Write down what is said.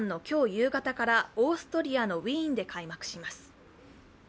夕方から、オーストリアのウィーンで開幕します。